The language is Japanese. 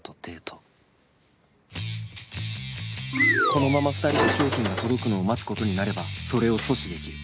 このまま２人で商品が届くのを待つ事になればそれを阻止できる